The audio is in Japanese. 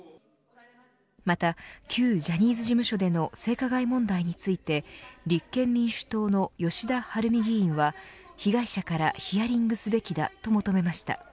また旧ジャニーズ事務所での性加害問題について立憲民主党の吉田晴美議員は被害者からヒアリングすべきだと求めました。